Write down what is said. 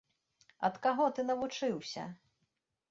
Ад каго ты навучыўся?